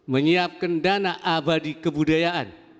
menyiapkan dana abadi kebudayaan